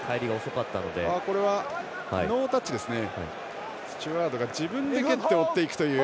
ノータッチですね。